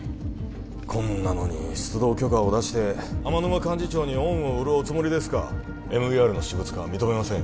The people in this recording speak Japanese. こんなのに出動許可を出して天沼幹事長に恩を売るおつもりですかＭＥＲの私物化は認めませんよ